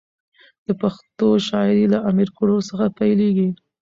د پښتو شاعري له امیر ګروړ څخه پیلېږي.